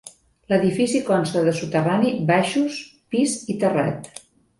L'edifici consta de soterrani, baixos, pis i terrat.